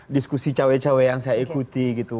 diskusi cewek cewek yang saya ikuti gitu